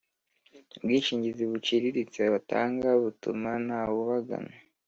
ubwishingizi buciriritse batanga butuma ntawubagana